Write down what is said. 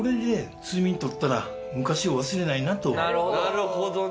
なるほどね。